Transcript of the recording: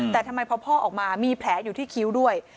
แต่ทำไมพอพ่อออกมามีแผลอยู่ที่คิ้วด้วย